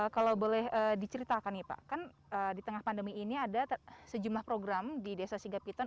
kalau boleh diceritakan di tengah pandemi ini ada sejumlah program di desa sigapiton